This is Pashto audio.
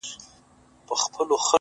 د خوار د ژوند كيسه ماتـه كړه،